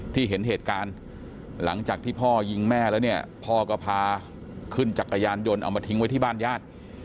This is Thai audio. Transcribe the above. เห็นเหตุการณ์หลังจากที่พ่อยิงแม่แล้วเนี่ยพ่อก็พาขึ้นจักรยานยนต์เอามาทิ้งไว้ที่บ้านญาติ